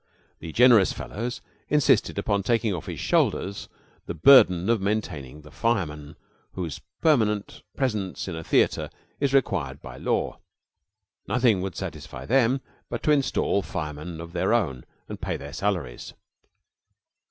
The generous fellows insisted upon taking off his shoulders the burden of maintaining the fireman whose permanent presence in a theater is required by law. Nothing would satisfy them but to install firemen of their own and pay their salaries.